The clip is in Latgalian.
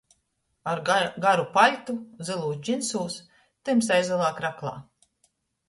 Ar garu paļtu, zylūs džynsūs, tymsai zylā kraklā.